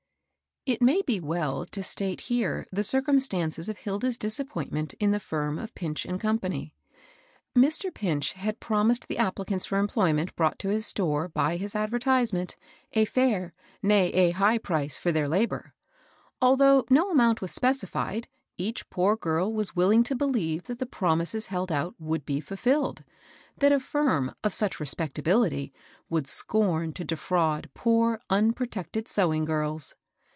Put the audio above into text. It may be well to state here the circumstances of Hilda's disappointment in the firm of Pinch and Company. Mr, Pinch had promised the ap pUcants for employment brought to his store by his advertisement a fair, — nay, a high price for their labor. Although no amount was specified, each poor girl was willing to believe that the promises held out would be fiilfiUed, — that a firm of such respectability would scorn to defi:%ud poor, unpro tected sewing girls.